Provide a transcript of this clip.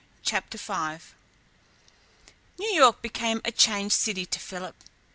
CHAPTER V New York became a changed city to Philip.